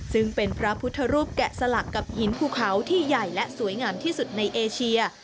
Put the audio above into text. ซึ่งเป็นพระพุทธรูปแกะสลักกับหินภูเขาที่ใหญ่และสวยงามที่สุดในเอเชีย